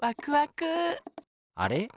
あれ？